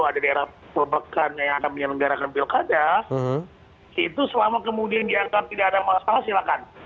ada daerah perubahan yang akan menyelenggarakan pilkada itu selama kemudian dianggap tidak ada masalah silakan